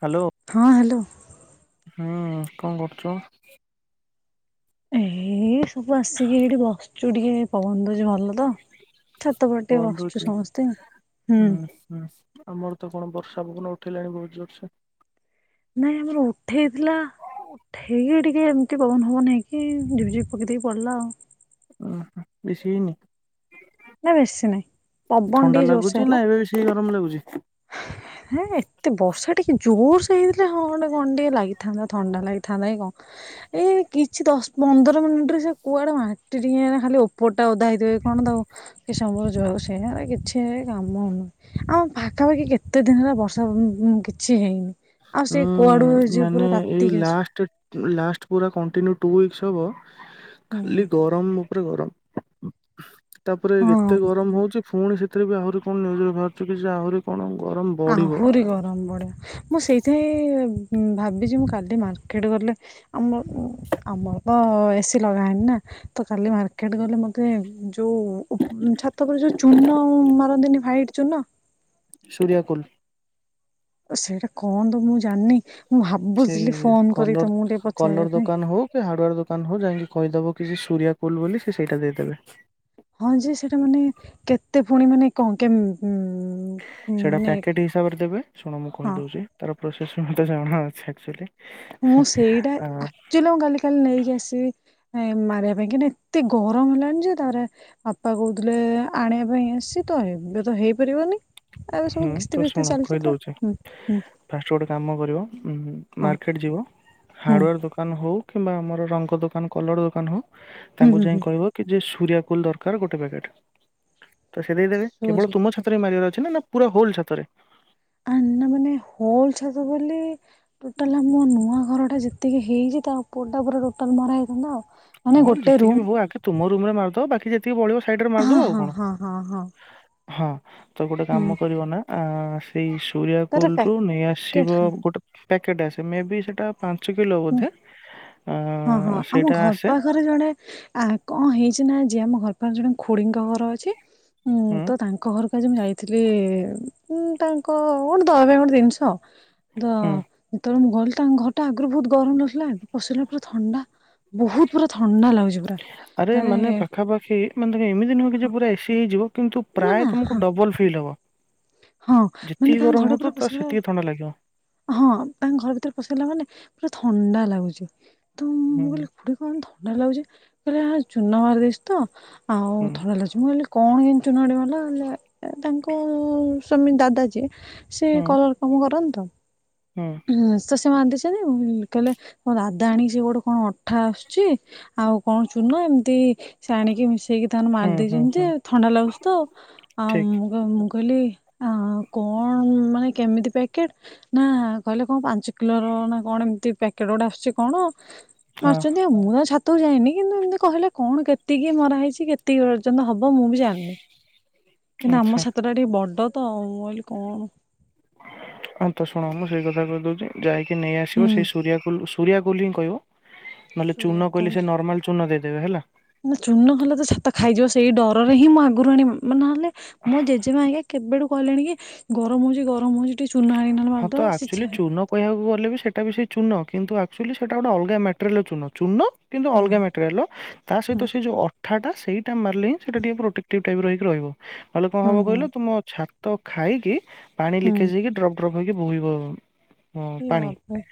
Hello. ହଁ hello. ହୁଁ କଅଁ କରୁଚ। ଏଇ ସବୁ ଆସିକି ଏଇଠି ବସଛୁ ଟିକେ ପବନ ଦଉଛି ଭଲ ତ। ଛାତ ଉପରେ ଟିକେ ବସିଛୁ ବନ୍ଧୁଛି ସମସ୍ତେ ହୁଁ। ହୁଁ ଆମର ତ କଣ ବର୍ଷା ପବନ ଉଠେଇିଲାଣି ବହୁତ ଜୋର ସେ। ନାଇଁ ଆମର ଉଠେଇଥିଲା ଠିକ ଟିକେ ଏମିତି ପବନ ଫବନ ହେଇକି ଝିପି ଝିପିପକେଇ ଦେଇକି ପଡିଲା ଆଉ। ଓହୋ ବେସି ହେଇନି। ନା ବେଶୀ ନହିଁ ପବନ ଟିକେ ଜୋରସ ହେଲା ଏ ଗରମ ଲାଗୁଛି। ହ [unintelligible] ହେଁ ଏତେ ବର୍ଷା ଟିକେ ଜୋର ସେ ହେଇଥିଲେ ହଁ ଗଣ୍ଡିଏ କାଅଁ ଟିକେ ଲାଗିଥାନ୍ତା ଥଣ୍ଡା ଲାଗିଥାନ୍ତାାଇଁ କଅଁ। ଏଇ କିଛି ଦଶ ପନ୍ଦର ମିନିଟ ରେ ସେ କୁଆଡେ ମାଟି ଟିକେ ଖାଲି ଉପରଟା ଓଦା ହେଇଥିବ କଣ ଦଉ କି ସମବ ଯ ସେ କିଛି କାମ ହଉ ନୁହଁ ଆମ ପାଖ ପାଖାପାଖି କେତେ ଦିନ ହେଲା ବର୍ଷା କିଛି ହେଇନି ଆଉ ଉଁ ସେଇ କୁଆଡୁ ଯିବ ମାନେ ପୁରା ଏଇ ତାାତିକି ଅଛି। ଲାଷ୍ଟ ଲାଷ୍ଟ ପୁରା କଣ୍ଟିୁନୁ ଟୁ ଉଇକସ୍‌ ହବ ଖାଲି ହୁଁ ଟମ୍ ଉପରେ ଗରମ ତାପରେ ଏତେ ହଁ ଗରମ ହଉଛି ଫୁଣି ସେ ଏଥିରେ ବି ଆହୁରି କଣ ନ୍ୟୁଜରେ ବାହାରୁଛି କି ଯେ ଆହୁରି କଣ ଗରମ। ବଢିବ ଆହୁରି ଗରମ ବଡ଼ିବ ମୁଁ ସେଇଥିାଇଁ ଭାବିଛି ମୁଁ କାଲି ମାର୍କେଟ ଗଲେ ଆମ ଆମର ତ ଏସି ଲଗା ହେନି ନା ତ କାଲି ମାର୍କେଟ ଗଲେ ମତେ ଟ୍ରେମ ଯୋଉ ଛାତ ଉପରେ ଯୋଉ ଚୂନ ମାରନ୍ତିନି ହ୍ାଇଟ ଚୂନ ସୂରିଆକୁଲ। ସେଇଟା କଣ ତ ମୁଁ ଜାଣିନି ମୁଁ ଭାବୁଥିଲି ସେଇ ଫୋନ କରି କଲର ତମକୁ ଟିକେ କଲର ପଚାରିବା ପାଇଁ। ଦୋକାନ ହଉ ହାର୍ଡୱାର ଦୋକାନ ହଉ ଯାଇକି କହିଦବ କିଛି ସୂରିଆ କୋଲ ବୋଲି ସେ ସେଇଟା ଦେଇଦେବେ। ହଁ ଯେ ସେଟା ମାନେ କେତେ ପୁଣି ମାନେ କଣ କେ ସେଇଟା ମାନେ ପ୍ୟାକେଟ୍ ହିସାବରେ ଦେବେ ଶୁଣ ମୁଁ ହଁ କହିଦେଉଛି ଠାର ପ୍ରୋସେସ ମୋତେ ଜଣା ଅଛି ଆକ୍ଚୁଆଲି ମୁଁ ସେଇଟା ଆ ଆକ୍ଚଲି ମୁଁ କାଲି କାଲି ନେଇକି ଆସିବି ଏ ମାରିବା ପାଇଁ କି ଏତେ ଗରମ ହେଲାଣି ଯେ ତା ପରେ ବାପା କହୁଥିଲେ ଆଣିଆ ପାଇଁ ଆସଛି ତ ଏବେ ତ ହେଇପାରିବନି। ଆରେ ସବୁ ହୁଁ କିସ୍ତି ଫିସ୍ତି ଚାଲିଛି ତ ହୁଁ ହୁଁ। ଫାଷ୍ଟ୍ ଗୋଟେ କାମ କରିବ ମ ହଁ ମାର୍କେଟ୍ ଯିବ ହୁଁ ହାର୍ଡଓୟାର ଦୋକାନ ହଉ କିମ୍ବା ଆମର ରଙ୍ଗ ଦୋକାନ କଲର ଦୋକାନ ହଉ ହୁଁ ତାଙ୍କୁ ହୁଁ ଯାଇ ହୁଁ କହିବ କି ଯେ ସୂରିଆ କୁଲ୍ ଦରକାର ଗୋଟେ ପ୍ୟାକେଟ୍ ତ ସେ ଦେଇଦେବେ କେବଳ ତୁମ ସରି ଛାତରେ ମାରିବାର ଅଛି ନା ନା ପୁରା ହୋଲ୍ ଛାତରେ ଆ ନା ମାନେ ହୋଲ୍ ଛାତ ବୋଲି ଟୋଟାଲ୍ ଆମ ନୂଆ ଘରଟା ଯେତିକି ହେଇଛି ତା ଉପରଟା ପୁରା ଟୋଟାଲ୍ ମରା ହେଇଥାନ୍ତା ଆଉ ମାନେ ହଁ ଗୋଟେ ଯେତିକି ରୁମ ବି ହଉ ଆଗେ ତୁମ ରୁମରେ ମାରିଦବ ବାକି ଯେତିକି ପଳିବ ସାଇଡରେ ହଁ ମାରିଦବ ଆଉ ହଁ କଣ ହଁ ହଁ ହଁ ହଁ ତ ଗୋଟେ ହୁଁ କାମ କରିବ ନା ଆଁ ସେଇ ସୂରିଆ ତାର କୋଲ୍ ରୁୁ ନେଇଆସିବ ପ୍ୟାକେଟ ଗୋଟେ ପ୍ୟାକେଟ୍ ଆସେ ମେ ବି ସେଟା ପାଞ୍ଚ କିଲୋ ବୋଧେ ହଁ ହଁ ଆଁ ଆମ ସେଇଟା ଘର ଆସେ ପାଖ ଖରେ ଜଣେ ଆ କଣ ହେଇଛି ନା ଆଜି ଆମ ଘର ପାଖ ଜଣେ ଖୁଡିଙ୍କ ଘର ଅଛି ମୁଁ ହୁଁ ତ ତାଙ୍କ ତାଙ୍କ ଘରକୁ ଆଜି ମୁଁ ଯାଇଥିଲି ଉଁ ତାଙ୍କ ଧରେ ଗୋଟେ ଜିନିଷ ଦ ହୁଁ ଯେତେବେଳେ ମୁଁ ଗଲି ତାଙ୍କ ଘରଟା ଆଗରୁ ବହୁତୁ ଗରମ ଲାଗୁଥିଲା ଏବେ ପଶିଲେ ପୁରା ଥଣ୍ଡା। ବହୁତୁ ପୁରା ଥଣ୍ଡା ଲାଗୁଚି ପୁରା ଆରେ ତାରେ ମାନେ ପାଖାପାଖି ମାନେ ତ ଏମିତି ନୁହଁ କି ହଁ ଯେ ପୁରା ଏସି ହେଇଯିବ କିନ୍ତୁ ନା ନା ପ୍ରାୟ ତମକୁ ହଁ ଡବଲ ଫିଲ୍ ହବ। ହଁ ଯେତିକି ମାନେ ତାଙ୍କ ଗରମ ଘରଟା ହଉଥିବ ପୁରା ତ ପଶି ସେତିକି ଥଣ୍ଡା ଲାଗିବ। ହଁ ତାଙ୍କ ଘର ଭିତରେ ପଶିଗଲା ମାନେ ପୁରା ଥଣ୍ଡା ଲାଗୁଚି ତ ହୁଁ। ଏଠି କଣ ଥଣ୍ଡା ଲାଗୁଚି କହିଲେ ଏ ଚୁନ ମାରି ଦେଇଚୁ ତ ଆଉ ହୁଁ ଥଣ୍ଡା ଲାଗୁଚି ମୁଁ କହିଲି କଣ ଇଏ ଚୁନ ଆଣି ମାରିଲ ଏ ତାଙ୍କ ସ୍ୱାମୀ ଦାଦା ଯିଏ ସେ ହୁଁ କଲର୍ କମ କରନ୍ତି ତ ହୁଁ। ହୁଁ ସେ ସେ ମାରି ଦେଇଚନ୍ତି ଆଉ ହୁଁ କହିଲେ ମୋ ଦାଦା ଆଣିକି ସେ ଗୋଡ଼ କଣ ଅଠା ଆସୁଚି ଆଉ କଣ ଚୁନ ଏମିତି ସେ ଆଣିକି ମିଶେଇକି ତାଙ୍କର ହୁଁ ହୁଁ ମାରିଦେଇଚନ୍ତି ହୁଁ ଆଉ ଥଣ୍ଡା ଲାଗୁଚିତ ଆଉ ଆଉ ଠିକ୍ ମୁଁ କ ମୁଁ କହିଲି ଆ କଣ ମ ମାନେ କେମିତି ପ୍ୟାକେଟ ନା କହିଲେ କଣ ପାଞ୍ଚ କିଲୋର ନା କଣ ଏମିତି ପ୍ୟାକେଟ୍ ଗୋଟେ ଆସୁଚି କଣ ହଁ ମାରିଚନ୍ତି ଆଉ। ମୁଁ ତାଙ୍କ ଛାତକୁ ଯାଇନି କିନ୍ତୁ ଏମିତି କହିଲେ କଣ କେତିକି ମରା ହେଇଛି କେତିକି ପର୍ଯ୍ୟନ୍ତ ହବ ହବ ମୁଁ ବି ଜାଣିନି କିନ୍ତୁ ଆମ ଆଚ୍ଛା। ଛାତଟା ଟିକେ ବଡ ତ ମୁଁ କହିଲି କଣ ହଁ ତ ଶୁଣ ମୁୁ ସେଇ କଥା କହିଦଉଚି ଯାଇକି ନେଇ ଆସିବ ହୁଁ ସେଇ ସୂରିଆ କୁଲ୍ ରୁ ସୂରିଆ କୁଲ ଙ୍ଗି ହିଁ କହିବ ନହେଲେ ସୂରିୟା ଚୂନ କହୁଥିଲା କହିଲେ ସେ ନର୍ମାଲ୍ ଚୂନ ଦେଇଦେବେ ହେଲା। ନା ଚୂନ ଭଲ ତ ଛାତ ଖାଇଯିବ ସେଇ ଡରରେ ହିଁ ମୁଁ ଆଗରୁ ଆଣି ମ ମାନେ ନହେଲେ ମୋ ଜେଜେମା ହେଇକା କେବେଠୁ କହିଲେଣି କି ଗରମ ହଉଚି ଗରମ ହଉଚି ଟିକେ ଚୂନ ଆଣିକିନା ହଁ ତ ଆକ୍ଚୁଲି ଚୁନ କହିବାକୁ ଗଲେ ବି ସେଟା ବି ସେ ଚୂନ କିନ୍ତୁ ଆକ୍ଚୁଲି ସେଟା ଗୋଟେ ଲଗା ମେଟେରିଲ ଚୂନ ଚୂୁନ କିନ୍ତୁ ହୁଁ ଅଲଗା ମ୍ୟା [unintelligible] ତା ସହିତ ହୁଁ ସେଇ ଯୋଉ ଅଠାଟା ସେଇଟା ମାରିଲେ ହିଁ ସେଇଟା ଟିକେ ପ୍ରୋଟେକ୍ଟିଭ ଟାଇପିର ହେଇକି ରହିବ। ନହେଲେ କଣ ହୁଁ ହବ ହୁଁ କହିଲ ତୁମ ଛାତ ଖାଇକି ପାଣି ହୁଁ ଲିକେଜେ ହେଇକି ଫକହେଇକି ବୋହିବ। ଅଁ, ଏ ପାଣି ବାବାରେ।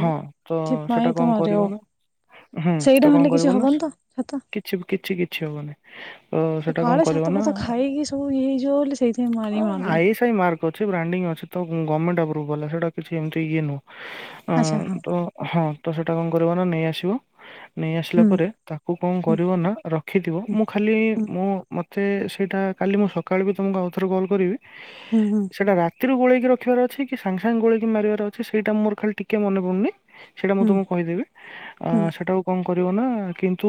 ହଁ ତ ସେଟା ତ କଣ ମରି କରିବ ଆଉ ନା ହୁଁ ସେଇଟା ତ ମାରିଲେ କଣ କିଛି କରିବ ନା ହବନି ତ ଛାତ କିଛି କିଛି କିଛି ହବନି। ତ ସେ ସେଟା କଣ କାଳେ କରିବ ଛାତ ଫାତ ନା ଖାଇକି ସବୁ ଇଏ ହେଇଯିବ ବୋଲି ସେଇଥିପାଇଁ ମୁଁ ଆଣିକି ମାରୁନି। [unintelligible] ମକ ଅଛି ବାଣ୍ଡିଙ୍ଗି ଅଛି ତ ଗଭର୍ଣମେଣ୍ଟ ଆପ୍ରୁଭ୍ଲା ସେଇଟା କିଛି ଏମିତି ଇଏ ନୁଁଅ। ଅ ଆଚ୍ଛା ହଁ ତ ହଁ ତ ସେଇଟା କଣ କରିବ ନା ନେଇଆସିବ ନେଇ ଆସିଲା ହୁଁ ପରେ ତାକୁ କଣ କରିବ ହୁଁ ନା ରଖିଥିବ ମୁଁ ଖାଲି ହୁଁ ମୁଁ ମତେ ସେଇଟା କାଲି ମୁଁ ସକାଳେ ବି ତୁମକୁ ଆଉଥରେ କଲ୍ କରିବି ହୁଁ ହୁଁ। ସେଇଟା ରାତିରୁ ଗୋଳେଇକି ରଖିବାର ଅଛି କି ସାଙ୍ଗ ସାଙ୍ଗେ ଗୋଳେଇକି ମାରିବାର ଅଛି ସେଇଟା ମୋର ଖାଲିିଟିକେ ମନେ ପଡ଼ୁନି। ସେଇଟା ମୁଁ ହୁଁ ତମକୁ କହିଦେବି ଅ ହୁଁ ହୁଁ ସେଟାକୁ କଣ କରିବ ନା କିନ୍ତୁ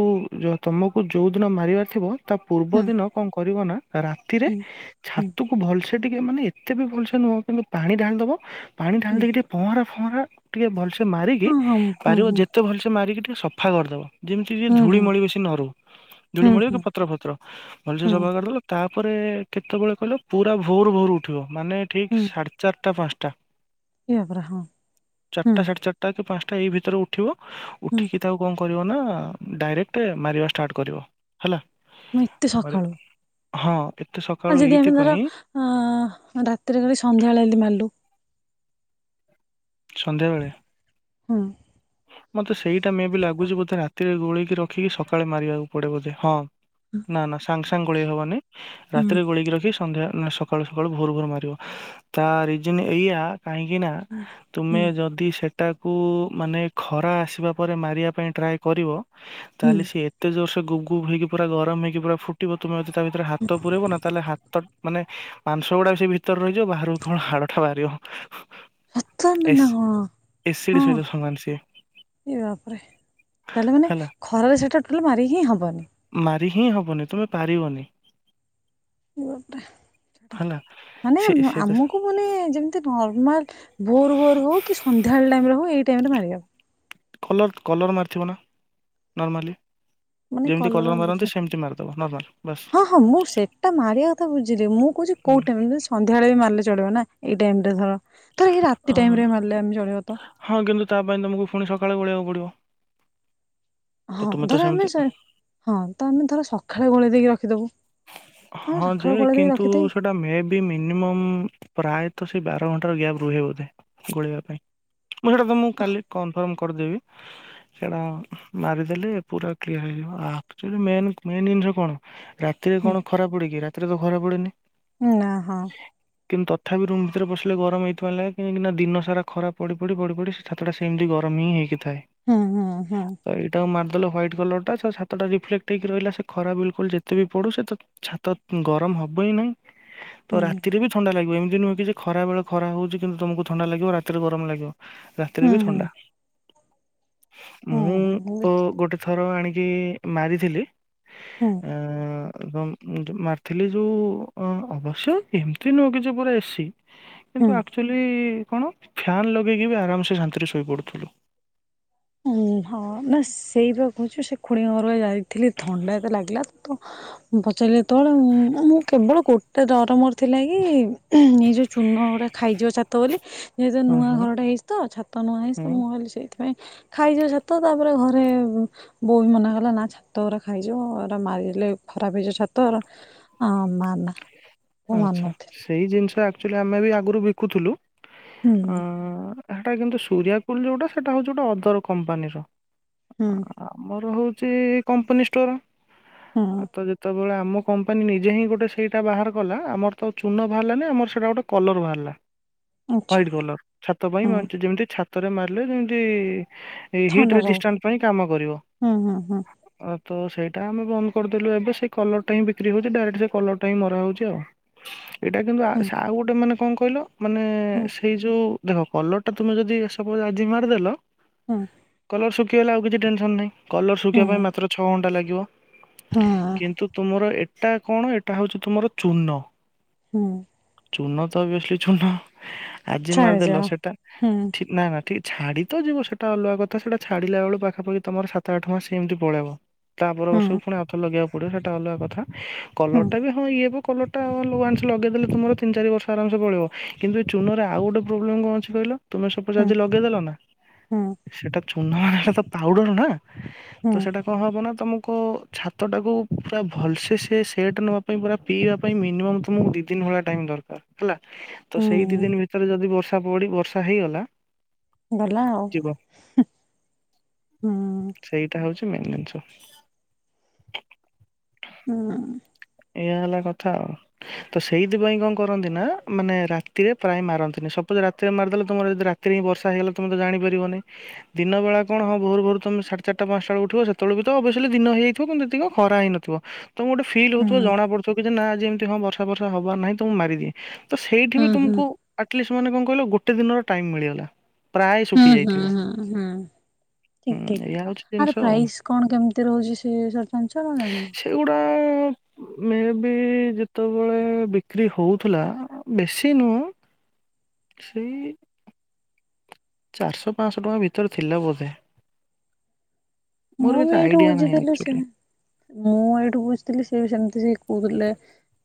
ତମକୁ ଯୋଉ ଦିନ ମାରିବାର ଥିବ, ତା ପୂର୍ବ ହୁଁ ଦିନ କଣ କରିବ ନା ରାତିରେ ହୁଁ ହୁଁ ଛାତକୁ ଭଲସେ ଟିକେ ମାନେ ଏତେ ବି ଭଲସେ ନୁହଁ କିନ୍ତୁ ପାଣି ଢାଳିଦବ ପାଣି ହୁଁ ଢାଳି ହୁଁ ଦେଇକି ଟିକେ ପହଁରା ଫହଁରା ଟିକେ ଭଲସେ ମାରିକି ହଁ ହଁ ପାରିବ ହୁଁ ଯେତେ ଭଲସେ ମାରିକି ଟିକେ ସଫା କରିଦବ। ଯେମିତିକି ହୁଁ ଧୂଳି ହୁଁ ମଳି ବେଶି ନ ରହୁ ଧୂୁଳି ହୁଁ ମଳି ହୁଁ କି ପତ୍ର ଫତ୍ର ଭଲସେ ହୁଁ ହୁଁ ସଫା କରିଦେଲ ତାପରେ କେତେବେଳେ କଇଲ ପୁରା ଭୋର ଭୋର ଉଠିବ ମାନେ ଠିକ୍ ହୁଁ ସା ଚାରିଟା ପାଞ୍ଚଟା ଏ ବାପରେ ହଁ ହୁଁ ଚାରିଟା ସାଢେ ଚା ତା କି ପାଞ୍ଚଟା ଏଇ ଭିତରେ ଉଠିବ। ହୁଁ। ଉଠିକି ତାକୁ କଣ କରିବ ନା ଡାଇରେକ୍ଟ ମାରିବା ଷ୍ଟାର୍ଟ କରିବ। ହେଲା ମୁଁ ଏତେ ମାରି ସଖାଳୁ ହଁ ଏତେ ସ ଆଉ ଯଦି ଆମେ ଧର ଅଁ ରାତିରେ କରି ସନ୍ଧ୍ୟାବେଳେ ଏଦି ମାରଲୁ। ସନ୍ଧ୍ୟାବେଳେ? ହୁଁ। ମତେ ସେଇଟା ମେ ବି ଲାଗୁଚି ବୋଧେ ରାତିରେ ଗୋଳେଇକି ରଖିକି ସକାଳେ ମାରିବାକୁ ପଡେ ବୋଧେ ହଁ। ନା ନା ସାଙ୍ଗେ ସାଙ୍ଗେ ଗୋଳେଇ ହବନି ହୁଁ ରାତିରେ ଗୋଳେଇକି ରଖି ସ ସନ୍ଧ୍ୟା ନା ସକାଳୁ ସକାଳୁ ଭୋରୁ ଭୋରୁ ମାରିବ ତା ରିଜିନ ଏଇଆ କାହିଁକିନା ହୁଁ ହୁଁ ତୁମେ ଯଦି ସେଟାକୁ ମାନେ ଖରା ଆସିବା ପରେ ମାରିବା ପାଇଁ ଟ୍ରାଏ କରିବ ହୁଁ ତାହେଲେ ସିଏ ଏ ଏତେ ଯୋରସେ ଗୁପ ଗୁପ ହେଇକି ପୁରା ଗରମ ହେଇକି ପୁରା ଫୁଟିବ ତୁମେ ଯଦି ତା ଭିତରେ ହାତ ପୁରାଇବ ନା ତାହେଲେ ହାତ ମାନେ ମାଂସ ଗୁଡାକ ସେ ଭିତରେ ରହିଯିବ ବାହହାରକୁ କେବଳ ହାଡଟା ବାହାରିବ। ସତରରେ ଏସ ନା କଣ ଏସିଡି ହଁ ସହିତ ସମାନ ସିଏ। ଏ ବାପରେ ତାହେଲେ ମାନେ ହେଲା ଖରାରେ ସେ ଟୋଟାଲ ମାରି ହିଁ ହବନି। ମାରି ହିଁ ହବନି ତୁମେ ପାରିବନି। ବାପରେ ସେଟା ହେଲା। ମାନେ ସେ ସେ ତ ଆମକୁ ମାନେ ଯେମତି ନର୍ମାଲ ଭୋରୁ ଭୋରୁ ହୋଉ କି ସନ୍ଧ୍ୟାବେଳ ଟାଇମରେ ହୋଉ ଏଇ ଟାଇମରେ ମାରିିବା। କଲର୍ କଲର୍ ମାରିଥିବ ନା ନର୍ମାଲି। ମାନେ ଯେମିତି କଲର ମାରନ୍ତି ବୁଝିପା ସେମିତି ମାରିଦବ ନର୍ମାଲ ବାସ୍। ହଁ ହଁ ମୁଁ ସେଟା ମାରିବା କଥା ବୁଝିଲି ମୁଁ କହୁଚି ହୁଁ କୋଉ ଟାଇମ? ସନ୍ଧ୍ୟାବେଳେ ବି ମାରଲେ ଚଳିବ ନା ଏଇ ଟାଇମରେ ଧର ଧର ଏଇ ରାତି ଟାଇମରେ ଅମ୍ ମାରିଲେ ଆମେ ଚଳିବା ତ ହଁ କିନ୍ତୁ ତା ପାଇଁ ତୁମକୁ ପୁଣି ସକାଳେ ଗୋଳେଇବାକୁ ପଡ଼ିବ। ହଁ ଧର ସେମିତି ଆମେ ସେ ହଁ ତ ଆମେ ଧର ସଖାଳେ ଗୋଳେଇ ଦେଇକି ରଖିଦବୁ। ହଁ ଯେ ସଖାଳୁ ଗୋଳେଇ ଦେଇ କିନ୍ତୁ ରଖିଥେଇ ସେଟା ମେ ବି ମିନିମମ ପ୍ରାୟତ ସେ ବାର ଘଣ୍ଟ ଗ୍ୟାପ ରୁହେ ବୋଧେ ଗୋଳିବା ପାଇଁ। ମୁଁ ସେଟା ତମକୁ କାଲି କନଫର୍ମ କରିଦେବି। ସେଟା ମାରିଦେଲେ ପୁରା କ୍ଲିୟର ହେଇଯିବ ଆକଚୋଲି ମେନ ମେନ ଜିନଷ କଣ? ରାତିରେ କଣ ଖରା ପଡ଼େ କିି ରାତିରେ ତ ଖରା ପଡ଼େନି। ନା ହଁ। କିନ୍ତୁ ତଥାପି ରୁମ ଭିତରେ ପସିଲେ ଗରମ ଏଇଥିପାଇଁ ଲାଗେ କାହିଁକିନା ଦିନ ସାରା ଖରାପ ପଡି ପଡି ପଡି ପଡି ସେ ଛାତଟା ସେମତି ଗରମ ହିଁ ହେଇକି ଥାଏ। ହଁ ହଁ ହଁ। ତ ଏଇଟାକୁ ମାରଦେଲେ ହ୍ୱାଇଟ କଲରଟା ସେ ଛାତଟା ରିଫ୍ଲେକ୍ଟ ହେଇକି ରହିଲା ସେ ଖରା ବିଲକୁଲ ଯେତେ ବି ପଡୁ ସେ ତ ଛାତ ଗରମ ହବ ହିଁ ନାହିଁ ତ ହୁଁ ରାତିରେ ବି ଥଣ୍ଡା ଲାଗିବ ଏମତି ନୁହେଁ କି ଯେ ଖରା ବେଳେ ଖରା ହୋଉଚି କିନ୍ତୁ ତମକୁ ଥଣ୍ଡା ଲାଗିବ ରାତିରେ ଗରମ ଲାଗିବ। ହୁଁ ରାତିରେ ବି ହୁଁ ଥଣ୍ଡା। ହୁଁ ମୁଁ ତ ଗୋଟେ ଥର ଆଣିକି ମାରିଥିଲି। ହୁଁ। ଆଁ ତମ ମୁଁ ଯେ ମାରିଥିଲି ଯୋଉ ଅ ଅବଶ୍ୟ ଏମତି ନୁହଁ କି ଯେ ପୁରା ଏସି ହୁଁ କିନ୍ତୁ ଆକ୍ କଚୋଲି କଣ ଫ୍ୟାନ୍ ଲଗେଇକି ବି ଆରାମସେ ଶାନ୍ତିରେ ଶୋଇପଡ଼ୁଥୁଲୁ। ଉଁ ହଁ ନା ସେଇପା କୋହୁଚି ସେ ଖୁଡିଙ୍କ ଘରକୁ ପା ଯାଇ ଥିଲି ଥଣ୍ଡା ଏତ ଲାଗିଲା ତ ମୁଁ ପଚାରିଲି ଯେତେବେଳେ ମୁଁ କେବଳ ଗୋଟେ ଡର ମୋର ଥିଲା କି ନି ଯେଁ ଚୂର୍ଣ ଗୁଡ଼ା ଖାଇଯିବ ଛାତ ବୋଲି ଯେହେତୁ ହୁଁ ନୂଆ ହୁଁ ଘର ଟା ହେଇଛି ତ, ଛାତ ନୂଆ ହେଇଚି ତ ହୁଁ। ମୁଁ କହିଲି ସେଇଥିପାଇଁ ଖାଇଯିବ ଛାତ ତାପରେ ଘରେ ବୋଉ ବି ମନା କଲା ନା ଛାତ ଗୋରା ଖାଇଯିବ ସେଗୁରା ମାରିଦେଲେ ଖରାପ ହେଇଯିବ ଛାତ, ଏଗୁରା ଆଉ ମାରେନା, ଆଛା ସେଇ ଜିନିଷ ଆକ୍ଚୁଆଲି ଆମେ ବି ଆଗରୁ ବିକୁଥିଲୁ। ହୁଁ ଅ ସେଟା କିନ୍ତୁ ସୂରିଆକୁଲ ଯୋଉଟା ସେଟା ହଉଛି ଗୋଟେ ଅଦର କମ୍ପାନୀର ହଁ। ଆମର ହଉଛି କମ୍ପାନୀ ଷ୍ଟୋର। ହଁ, ହଁ। ତ ଯେତେବେଳେ ଆମ କମ୍ପାନୀ ନିଜେ ହିଁ ଗୋଟେ ସେଇଟା ବାହାର କଲା ଆମର ତ ଚୁନ ବାହାରିଲାନି ଆମର ସେଇଟା ଗୋଟେ କଲର ବାହାରିଲା। ଆଚ୍ଛା ୱାଇଟ୍ କଲର, ଛାତ ପାଇଁ ହୁଁ ଯେମତି ଛାତରେ ମାରିଲେ ଯେମିତି [unintelligible] ଥଣ୍ଡାରେ ରେଜିଷ୍ଟାଟ ପାଇଁ କାମ କରିବ। ହୁଁ ହୁଁ ହୁଁ ଆ ତ ସେଇଟା ଆମେ ବନ୍ଦ କରିଦେଲୁ। ଏବେ ସେଇ କଲରଟା ବ୍ରିକି ହଉଛି ଡାଇରେକ୍ଟ ସେ କଲର ହିଁ ମରା ହଉଛି ଆଉ, ଏଇଟା କିନ୍ତୁ ଆଉ ଗୋଟେ ମାନେ କଣ କହିଲ? ମାନେ ହୁଁ ସେଇ ଯୋଉ ଦେଖ କଲର ଟା ତମେ ଯଦି ଆଜି ମାରିଦେଲ ହଁ। କଲର ଶୁଖିଗଲା ବେଳେକୁ ଆଉ କିଛି ଟେନସନ ନାହିଁ, କଲର ହୁଁ ହୁଁ ଶୁଖିବା ପାଇଁ ମାତ୍ର ଛଅ ଘଣ୍ଟା ଲାଗିବ। ହଁ କିନ୍ତୁ ତୁମର ଏଟା କଣ? ଏଟା ହଉଛି ତୁମର ଚୂର୍ଣ୍ଣ। ହୁଁ। ଚୂନ ତ [unintelligible] ଚୂନ ଆଜି ମାରିଦେଲ ଛାଡ଼ିଯାଅ ସେଟା ହୁଁ ଠିକ ନା ନା ଠିକ ଛାଡି ତ ଯିବ ସେଇଟା ଅଲଗା କଥା ସେଟା ଛାଡିଲା ବେଳକୁ ପାଖାଖି ତମର ସାତ ଆଠ ମାସ ଏମିତି ପଳେଇବ। ତାପର ହୁଁ ବର୍ଷକୁ ପୁଣି ଆଉଥରେ ଲଗେଇବାକୁ ପଡିବ ସେଇଟା ଅଲଗା କଥା। ହୁଁ କଲର ହଁଇଏ କଲର ଟା ୱାନସ ଲଗେଇଦଲେ ତମର ତିନି ଚାରି ବର୍ଷ ଆରାମସେ ପଳେଇବ କିନ୍ତୁ ଚୂନରେ ଆଉ ଗୋଟେ ପ୍ରୋବଲେମ୍ କଣ ଅଛି କହିଲ? ତମେ ସପଜ ହୁଁ ଆଜି ଲଗେଇଦେଲ ନା ହୁଁ ସେଟା ଚୂନ ମାନେ ତ ପାଉଡର ନା ତ ହୁଁ ସେଇଟା କଣ ହବ ନା ତମକୁ ଛାତ ଟାକୁ ପୁରା ଭଲସେ ସେ ସେଟ ନବା ପୁରା ପିଇବା ପାଇଁ ମିନିମମ୍ ତମକୁ ଦି ଦିନ ଭଳିଆ ଟାଇମ ଦରକାର। ହେଲା ତ ସେଇ ହୁଁ ଦି ଦିନ ଭିତରେ ଯଦି ବର୍ଷା ପଡି ବର୍ଷା ହେଇଗଲା। ଗଲା ଆଉ। ଯିବ। ହୁଁ, ହୁଁ। ସେଇଟା ହଉଛି ମେନ୍ ଜିନିଷ। ହୁଁ। ଏଇଆ ହେଲା କଥା ଆଉ। ତ ସେଇଥିପାଇଁ କଣ କରନ୍ତି ନା ମାନେ ରାତିରେ ପ୍ରାୟ ମାରନ୍ତିନି, ସପୋଜ ରାତିରେ ମାରିଦେଲେ ତମର ଯଦି ରା ରାତିରେ ବର୍ଷା ହେଇଗଲା ତମେ ତ ଜାଣିପାରିବନି। ଦିନ ବେଳେ କଣ ହଁ ଭୋରୁ, ଭୋରୁ ତମେ ସାଢେ ଚାରିଟା ପାଞ୍ଚଟା ବେଳେ ଉଠିବ ସେତବେଳେ ତ ଅଭସଲି ଦିନ ହେଇଯାଇଥିବ କିନ୍ତୁ ଏତିକି ଖରା ହେଇନଥିବ। ତମେ ଗୋଟେ ଫି ହୁଁ ତମକୁ ଜଣା ପଡୁଥିବ କି ଯେ ନା ଯେ ଏମିତି ହଁ ବର୍ଷା ବର୍ଷା ହବ ନାହିଁ ତୁମକୁ ମାରି ଦିଏ। ତ ସେଇଠି ହୁଁ ବି ହୁଁ ତୁମକୁ ଅଷ୍ଟଲିସ ମାନେ କଣ କହିଲ ଗୋଟେ ଦିନର ଟାଇମ୍ ମିଳିଗଲା। ପ୍ରାୟ ହୁଁ ଶୁଖି ଯାଇଥିବ -ହୁଁ- ହୁଁ -ହୁଁ। ଠିକ, ହୁଁ ଏଇଆ ହଉଛି ଠିକ ଆର୍ ଜିନିଷ ଆଉ ପ୍ରାଇସ୍ କଣ କେମିତି ରହୁଛି ସେ ସରପଞ୍ଚ ନା [unintelligible] ଏଇଗୁଡ଼ା ମେ ବି ଯେତେବେଳେ ବିକ୍ରି ହଉଥିଲା ବେଶୀ ନୁହଁ? ଛି? ଚାରିଶହ ପାଞ୍ଚଶହ ଟଙ୍କା ଭିତରେ ଥିଲା ବୋଧେ। ମୋର ମୁଁ ଏତେ ବି ଏଇଠୁ ଆଇଡିଆ ନାହିଁ ବୁଝିଥିଲି ସେ ଆକ୍ଚୁଆଲି ମୁଁ ଏଇଠୁ ବୁଝିଥିଲି ସେ ବି ସେମିତି ସେ କହୁଥିଲେ।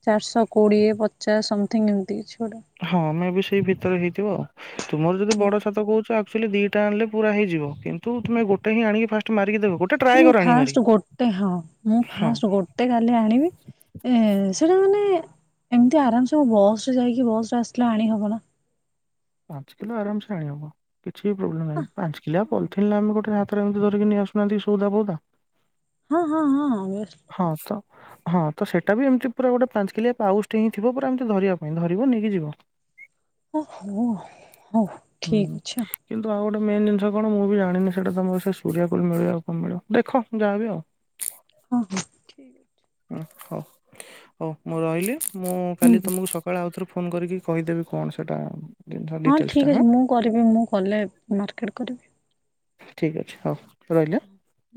ଚାରିଶହ କୋଡ଼ିଏ ପଚାଶ ସମଥିଙ୍ଗ ଏମିତି କି ଛୁଆଟା? ହଁ ଆମେ ବି ସେଇ ଭିତରେ ହେଇଥିବ ଆଉ ତୁମର ଯଦି ବଡ ଛାତ କହୁଛ ଆ? ଆକଚଲି ଦୁଇଟା ଆଣେ ପୁରା ହେଇଯ କିୁମେ ଗୋ ହିଁ ଆଣି ଫାଷ୍ଟ ମାରିକି ଦେବେ ଗୋଟେ? ଟ୍ରାଏ ମୁଁ କର ଆଣିକି ମାରି ଫାଷ୍ଟ ଗୋଟେ ହଁ ମୁଁ ହଁ ଫାଷ୍ଟ ଗୋଟେ କାଲି ଆଣିବି। ଏ ସେଇଟା ମାନେ ଏମିତି ଆରାମସେ ବସ ରେ ଯାଇକି ବସ ରେ ଆସିଲେ ଆଣି ହବ ନା। ପାଞ୍ଚ କିଲୋ ଆରାମସେ ଆଣି ହବ କିଛି ବି ପ୍ରୋବ୍ଲେ ନାହିଁ ପାଞ୍ଚ କିଲାଆ ପାଲଥିନ ଆମେ ଗୋଟେ। ଏମିତି ଧରିକି ଆସୁହାନ୍ତି ସଉଧା ବୋଧା। ହଁ ହଁ ହଁ ବେଷ୍ଟ। ହଁ ତ। ହଁ ତ ସେଇଟା ବି ଏମିତି ପୁରା ଗୋଟେ ପାଞ୍ଚ କିଲି ପାଉସଟି ହିଁ ଥିବ ପୁର ଏମତି ଧରିବା ପାଇଁ ଧରିବ ନେଇକି ଯିବ। [unintelligible] ଓହୋ ହଉ ହୁଁ। ଠିକ ଅଛି ଆଉ। କିନ୍ତୁ ଆଉ ଗୋଟେ ମେନ୍ ଜିନିଷ କଣ ମୁଁ ବି ଜାଣିନି ସେଟା ତମର ସେ ସୂର୍ଆ କୋଳି ମିଳିବ ଆଉ କଣ ମିଳିବ ଦେଖ ଯାହା ଆଉ। ହଁ। ଠିକ୍ ଅଛି। ହ ହଉ ହଉ ମୁଁ ରହିଲି ମୁଁ ହୁଁ କାଲି ହୁଁ ତମକୁ ସ? ସକାଳେ ଆଉଥରୁ ଫୋନ୍ କରିକି କହିଦେବି କଣ ସେଇଟା। ଜିନିଷ ହଁ ଡିଟେଲ୍ସଟା ଠିକ୍ ଅଛି ମୁଁ କରିବି ମୁଁ କଲେ ମାର୍କେଟ କରିବି। ଠିକ୍ ଅଛି ହଉ ରହିଲା ଆ?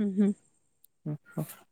ହୁଁ ହୁଁ। ହ [unintelligible]